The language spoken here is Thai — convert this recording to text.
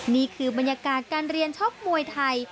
นี่คือบรรยากาศการเรียนชกมวยไทย